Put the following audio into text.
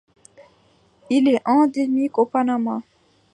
Il est endémique au Panama.